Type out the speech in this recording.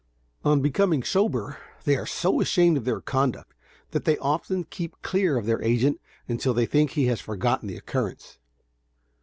On becoming sober, they are so ashamed of their conduct that they often keep clear of their agent until they think he has forgotten the occurrence.